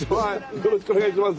よろしくお願いします。